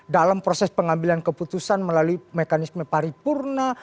dalam proses pengambilan keputusan melalui mekanisme paripurna